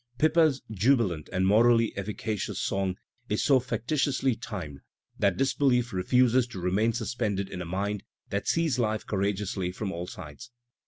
Pippa's jubilant and morally efficacious song is so factitiously timed that disbelief refuses to remain suspended in a mind that sees life courageously from all sides.